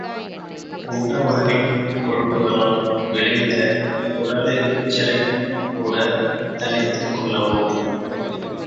உண்ட உணவின் கொழுப்புகளால் விளைந்த உடலெரிச்சலைக் கூடித் தணித்துக் கொள்ளவோ?